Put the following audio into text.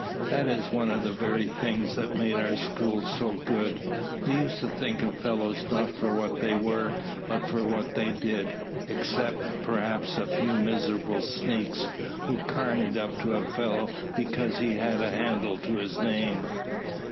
That is one of the very things that made our school so good. We used to think of fellows not for what they were but for what they did except, perhaps, a few miserable sneaks, who `carnied' up to a fellow because he had a handle to his name."